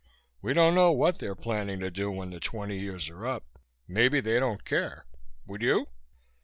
We don't know what they're planning to do when the twenty years are up. Maybe they don't care. Would you?"